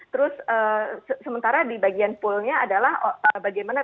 terus sementara di bagian pullnya adalah bagaimana tadi